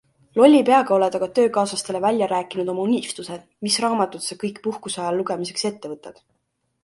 Lolli peaga oled aga töökaaslastele välja rääkinud oma unistused, mis raamatud sa kõik puhkuse ajal lugemiseks ette võtad.